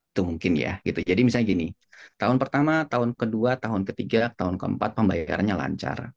itu mungkin ya gitu jadi misalnya gini tahun pertama tahun kedua tahun ketiga tahun keempat pembayarannya lancar